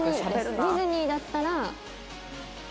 ディズニーだったら。